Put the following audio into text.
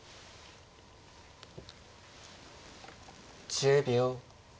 １０秒。